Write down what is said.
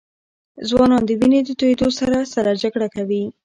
ځوانان د وینې د تویېدو سره سره جګړه کوي.